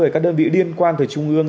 các đơn vị điên quan từ trung ương